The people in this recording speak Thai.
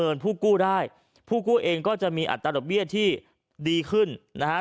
ผู้กู้ได้ผู้กู้เองก็จะมีอัตราดอกเบี้ยที่ดีขึ้นนะฮะ